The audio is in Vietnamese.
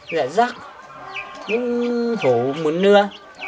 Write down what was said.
dạy giác những hổ muốn lưa